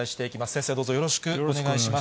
先生、どうぞよろしくお願いします。